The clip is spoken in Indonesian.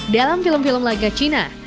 dalam film film laga cina